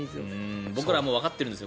僕らもうわかってるんですよ。